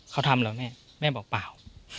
เขาทำเหรอแม่แม่บอกเปล่า